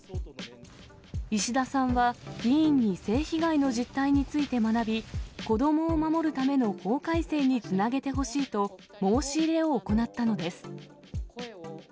石田さんは、議員に性被害の実態について学び、子どもを守るための法改正につなげてほしいと、申し入れを行ったのです。